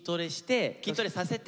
筋トレさせて。